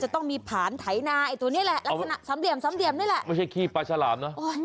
จะอยู่ในน้ำไอ้ปลาฉลาม